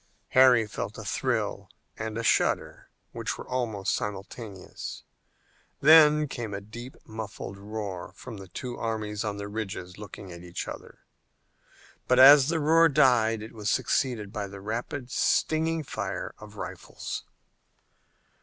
Harry felt a thrill and a shudder which were almost simultaneous. Then came a deep muffled roar from the two armies on the ridges looking at each other. But as the roar died it was succeeded by the rapid, stinging fire of rifles.